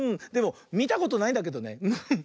でもみたことないんだけどね。